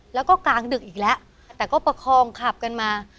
แล้วก็กลางดึกอีกแล้วแต่ก็ประคองขับกันมา